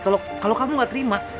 kalo kalo kamu gak terima